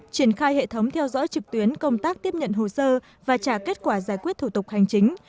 triển khai hệ thống theo dõi trực tuyến công tác tiếp nhận hồ sơ và trả kết quả giải quyết thủ tục hành chính